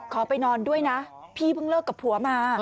ไปนอนด้วยนะพี่เพิ่งเลิกกับผัวมา